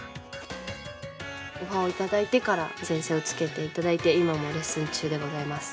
オファーを頂いてから、先生をつけていただいて、今もレッスン中でございます。